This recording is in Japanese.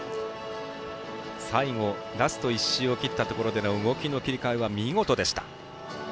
最後、ラスト１周を切ったところでの動きの切り替えは見事でした。